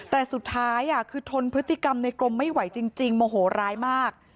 แต่สุดท้ายคือทนพฤติกรรมในกรมไม่ไหวจริงโมโหร้ายมาก